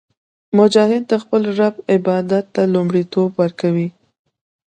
مجاهد د خپل رب عبادت ته لومړیتوب ورکوي.